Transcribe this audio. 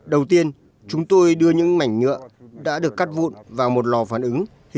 đầu tiên chúng tôi đưa những mảnh nhựa đã được cắt vụn vào một lò phản ứng